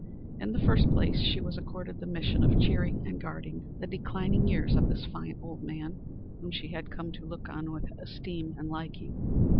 In the first place she was accorded the mission of cheering and guarding the declining years of this fine old man, whom she had come to look on with esteem and liking.